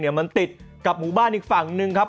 มันติดกับหมู่บ้านอีกฝั่งหนึ่งครับ